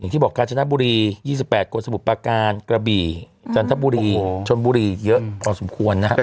ที่บอกกาญจนบุรี๒๘คนสมุทรประการกระบี่จันทบุรีชนบุรีเยอะพอสมควรนะครับ